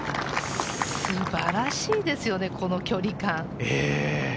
素晴らしいですよね、この距離感。